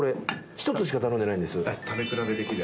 １つしか頼んでないんです。